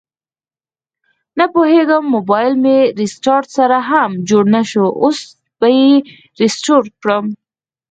نپوهیږم مبایل مې ریسټارټ سره هم جوړ نشو، اوس به یې ریسټور کړم